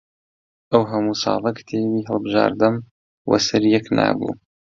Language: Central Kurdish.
ئەو هەموو ساڵە کتێبی هەڵبژاردەم وە سەر یەک نابوو